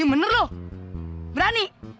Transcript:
ya bener lo berani